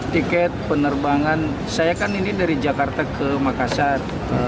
tiket penerbangan saya kan ini dari jakarta ke makassar